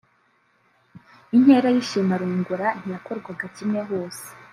Inkera y’ishimarongora ntiyakorwaga kimwe hose